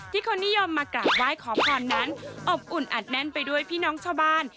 คนนิยมมากราบไหว้ขอพรนั้นอบอุ่นอัดแน่นไปด้วยพี่น้องชาวบ้าน